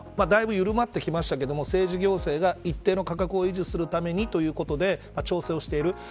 だいぶ緩んできましたが政治行政が一定の価格を維持するために調整している。